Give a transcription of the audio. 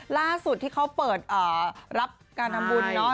ล่าสุดที่เขาเปิดรับการทำบุญเนาะ